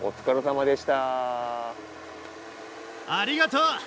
ありがとう！